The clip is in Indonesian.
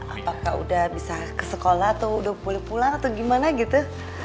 apakah udah bisa ke sekolah atau udah boleh pulang atau gimana gitu